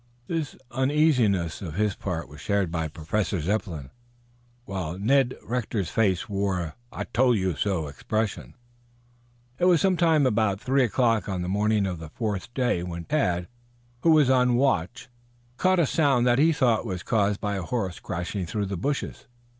This uneasiness on his part was shared by Professor Zepplin, while Ned Rector's face wore an "I told you so" expression. It was somewhere about three o'clock on the morning of the fourth day when Tad, who was on watch, caught a sound that he thought was caused by a horse crashing through the bushes.